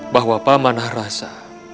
bahwa pamanah rasa